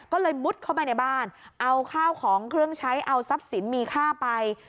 ก็เลยมุดเข้าไปในบ้านเอาข้าวของเครื่องใช้เอาทรัพย์สินมีค่าไป